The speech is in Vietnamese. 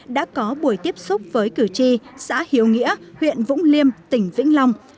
đã có buổi tiếp xúc với cử tri xã hiếu nghĩa huyện vũng liêm tỉnh vĩnh long